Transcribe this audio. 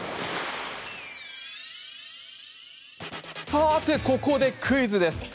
さて、ここでクイズです。